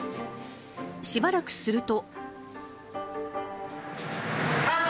しばらくすると。